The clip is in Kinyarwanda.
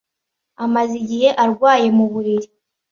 Amaze igihe arwaye mu buriri